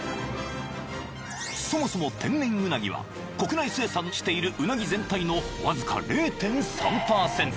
［そもそも天然うなぎは国内生産しているうなぎ全体のわずか０．３％］